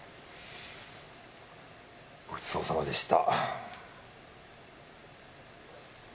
ごちそうさまでした。